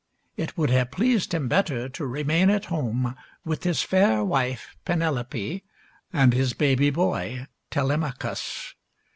It would have pleased him better to re main at home with his fair wife, Penelope, and his baby boy, Telemachus.